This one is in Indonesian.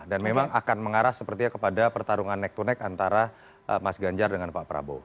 dan memang akan mengarah seperti ya kepada pertarungan neck to neck antara mas ganjar dengan pak prabowo